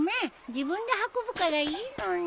自分で運ぶからいいのに。